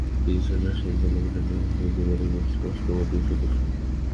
তিনি ছিলেন রাশিয়ান পার্লামেন্টের নিম্নকক্ষ ডুমার একজন স্পষ্টবাদী সদস্য।